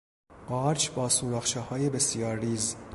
قارچ با سوراخچههای بسیار ریز